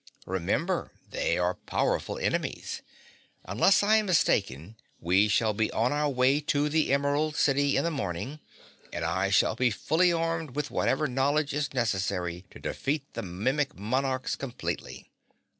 Remember, they are powerful enemies. Unless I am mistaken we shall be on our way to the Emerald City in the morning, and I shall be fully armed with whatever knowledge is necessary to defeat the Mimic Monarchs completely.